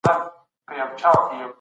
زه د حقونو په ادا کولو کي مخکښ یم.